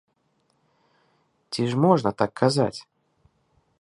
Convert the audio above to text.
Ці ж можна так казаць?